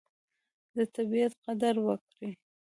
د طبیعت قدر وکړئ.